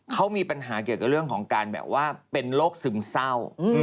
เขามีปัญหาเกี่ยวกับเรื่องของการแบบว่าเป็นโรคซึมเศร้า